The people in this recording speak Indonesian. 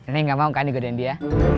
neng gak mau kan di goden dia